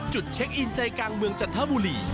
เช็คอินใจกลางเมืองจันทบุรี